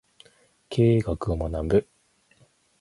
経営学を学ぶ